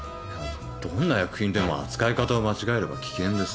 どんな薬品でも扱い方を間違えれば危険です。